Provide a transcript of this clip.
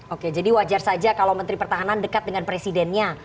oke jadi wajar saja kalau menteri pertahanan dekat dengan presidennya